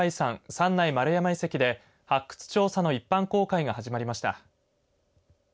三内丸山遺跡で発掘調査の一般公開が始まりました。